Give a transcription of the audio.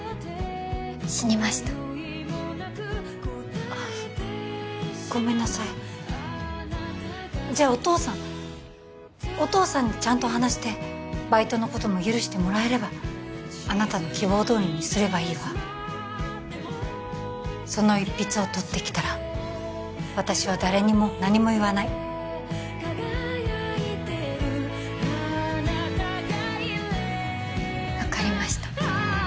死にましたあっごめんなさいじゃお父さんお父さんにちゃんと話してバイトのことも許してもらえればあなたの希望どおりにすればいいわその一筆を取ってきたら私は誰にも何も言わない分かりました